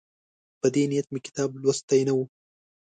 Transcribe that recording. په دې نیت مې کتاب لوستی نه وو.